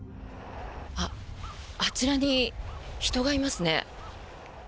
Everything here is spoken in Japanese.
あちらに人がいますね。